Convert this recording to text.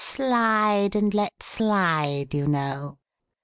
Slide and let slide, you know."